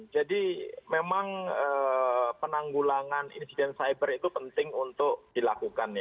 jadi memang penanggulangan insiden cyber itu penting untuk dilakukan